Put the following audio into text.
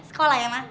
sekolah ya ma